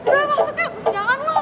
lo maksudnya aku senyangan lo